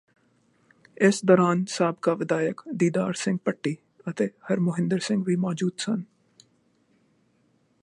ਇਸ ਦੌਰਾਨ ਸਾਬਕਾ ਵਿਧਾਇਕ ਦੀਦਾਰ ਸਿੰਘ ਭੱਟੀ ਅਤੇ ਹਰਮੋਹਿੰਦਰ ਸਿੰਘ ਵੀ ਮੌਜੂਦ ਸਨ